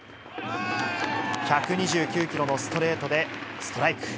１２９キロのストレートでストライク。